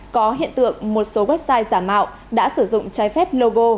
có hiện tượng một số website giả mạo đã sử dụng trái phép logo